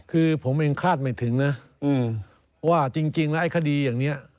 คือผมเองคาดไม่ถึงนะว่าจริงแล้วไอ้คดีอย่างนี้